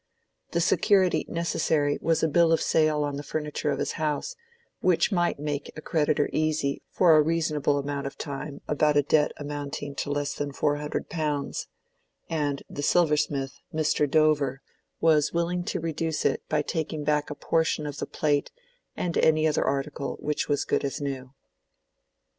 The security necessary was a bill of sale on the furniture of his house, which might make a creditor easy for a reasonable time about a debt amounting to less than four hundred pounds; and the silversmith, Mr. Dover, was willing to reduce it by taking back a portion of the plate and any other article which was as good as new.